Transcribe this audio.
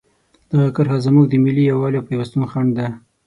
دغه کرښه زموږ د ملي یووالي او پیوستون خنډ ده.